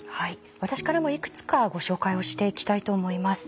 私からもいくつかご紹介をしていきたいと思います。